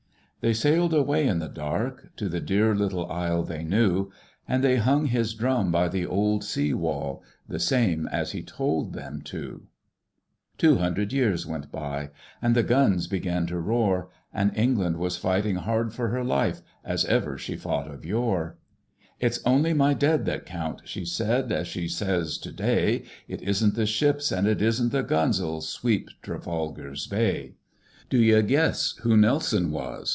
"They sailed away in the dark To the dear little isle they knew; And they hung his drum by the old sea wall The same as he told them to. "Two hundred years went by, And the guns began to roar, And England was fighting hard for her life, As ever she fought of yore. "'It's only my dead that count,' She said, as she says to day; 'It isn't the ships and it isn't the guns 'Ull sweep Trafalgar's Bay.' "D'you guess who Nelson was?